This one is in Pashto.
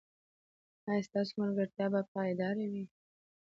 ایا ستاسو ملګرتیا به پایداره وي؟